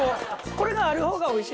これがあるほうがおいしい？